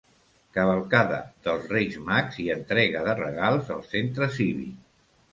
Cavalcada dels Reis Mags i entrega de regals al Centre Cívic.